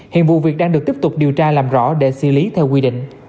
hiện vụ việc đang được tiếp tục điều tra làm rõ để xử lý theo quy định